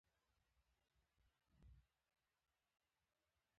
د هوا ککړتیا هم د انسانانو له امله ده.